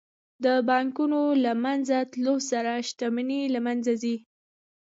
د بانکونو له منځه تلو سره شتمني له منځه ځي